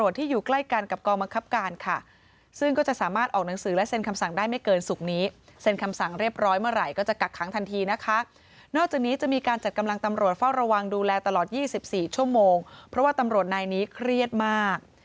๔ชั่วโมงเพราะว่าตำรวจนายนี้เครียดมาก